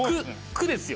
「く」ですよ